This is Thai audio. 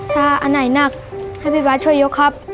ถ้าอันไหนหนักให้พี่บาทช่วยยกครับ